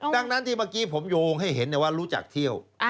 ดังนั้นที่เมื่อกี้ผมโยงให้เห็นว่ารู้จักเที่ยว